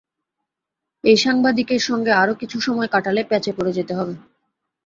এই সাংবাদিকের সঙ্গে আরো কিছু সময় কাটালে প্যাঁচে পড়ে যেতে হবে।